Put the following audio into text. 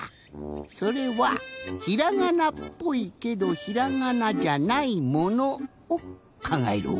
それはひらがなっぽいけどひらがなじゃないものをかんがえるおあそびじゃ。